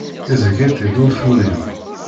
Iẓẓeg-itt-id ur turiw.